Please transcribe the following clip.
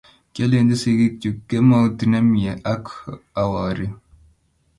kiolenchi sikikchu,''kemout ne mie''ak owe oru